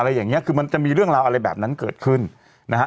อย่างเงี้คือมันจะมีเรื่องราวอะไรแบบนั้นเกิดขึ้นนะฮะ